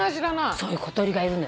そういう小鳥がいるのよ。